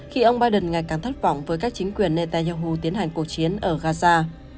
khi ông biden ngày càng thất vọng với các chính quyền netanyahu tiến hành cuộc chiến ở gaza